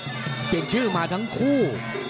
เปลี่ยนชื่อมาทั้งคู่